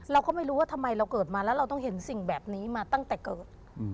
เราก็ไม่รู้ว่าทำไมเราเกิดมาแล้วเราต้องเห็นสิ่งแบบนี้มาตั้งแต่เกิด